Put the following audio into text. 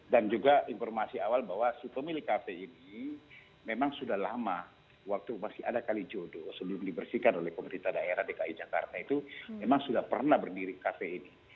dan juga informasi awal bahwa si pemilik kafe ini memang sudah lama waktu masih ada kali jodoh sebelum dibersihkan oleh komitmen daerah dki jakarta itu memang sudah pernah berdiri kafe ini